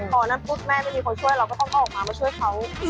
พอนั่นปุ๊บแม่ไม่มีคนช่วยเราก็ต้องออกมามาช่วยเขา